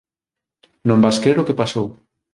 Non vas crer o que pasou.